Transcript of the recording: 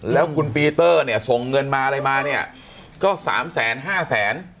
แล้วคุณปีเตอร์เนี่ยส่งเงินมาอะไรมาเนี่ยก็สามแสนห้าแสน